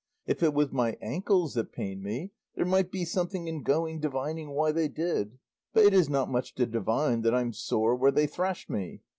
If it was my ankles that pained me there might be something in going divining why they did, but it is not much to divine that I'm sore where they thrashed me.